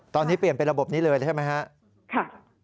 ตอนนี้เปลี่ยนเป็นระบบนี้เลยใช่ไหมครับ